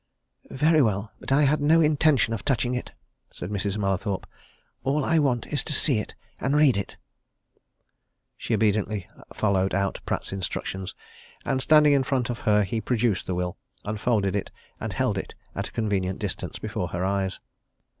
"Very well but I had no intention of touching it," said Mrs. Mallathorpe. "All I want is to see it and read it." She obediently followed out Pratt's instructions, and standing in front of her he produced the will, unfolded it, and held it at a convenient distance before her eyes.